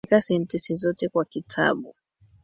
Andika sentensi zote kwa kitabu